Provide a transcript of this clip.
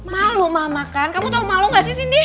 malu mama kan kamu tau malu gak sih cindy